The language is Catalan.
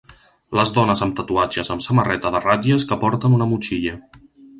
Les dones amb tatuatges amb samarreta de ratlles que porten una motxilla